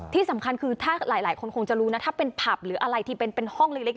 ที่สำคัญคือถ้าหลายคนคงจะรู้นะถ้าเป็นผับหรืออะไรที่เป็นห้องเล็ก